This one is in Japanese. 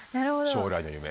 将来の夢。